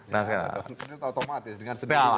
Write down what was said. nah ini otomatis dengan sedih